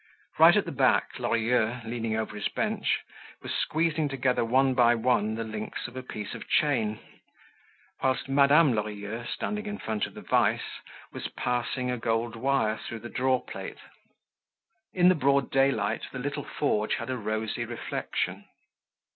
Right at the back Lorilleux, leaning over his bench, was squeezing together one by one the links of a piece of chain, whilst Madame Lorilleux, standing in front of the vise was passing a gold wire through the draw plate. In the broad daylight the little forge had a rosy reflection.